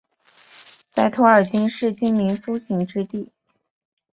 在托尔金是精灵苏醒之地。